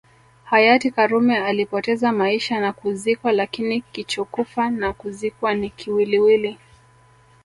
Hayati karume alipoteza maisha na kuzikwa lakini kichokufa na kuzikwa ni kiwiliwili